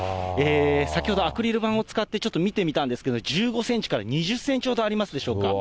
先ほど、アクリル板を使ってちょっと見てみたんですけれども、１５センチから２０センチほどありますでしょうか。